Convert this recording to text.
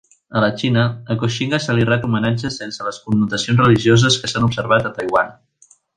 A la Xina, a Koxinga se li ret homenatge sense les connotacions religioses que s'han observat a Taiwan.